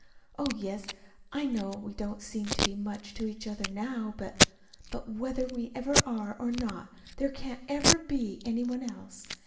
Oh, yes, I know we don't seem to be much to each other, now. But but whether we ever are, or not, there can't ever be any one else.